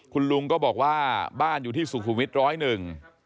คุณลุงก็บอกว่าบ้านอยู่ที่สุขุมวิทย์ร้อยหนึ่ง